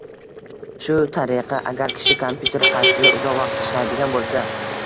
Shu tariqa, agar kishi kompyuter qarshisida uzoq vaqt ishlaydigan bo‘lsa